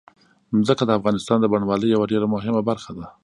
ځمکه د افغانستان د بڼوالۍ یوه ډېره مهمه برخه ده.